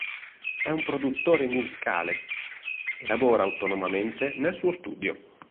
È un produttore musicale e lavora autonomamente nel suo studio.